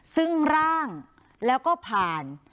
ซึ่งร่างแล้วก็ผ่าน